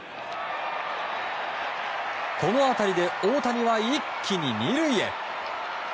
この当たりで大谷は一気に２塁へ。